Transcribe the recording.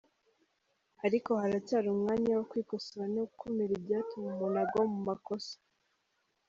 Ariko, haracyari umwanya wo kwikosora no gukumira ibyatuma umuntu agwa mu makosa.